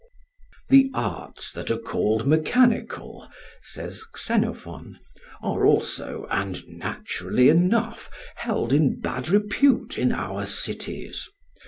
"The arts that are called mechanical," says Xenophon, "are also, and naturally enough, held in bad repute in our cities.